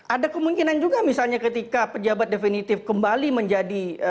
ada kemungkinan juga misalnya ketika pejabat definitif kembali menjadi